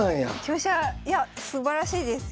香車いやすばらしいです。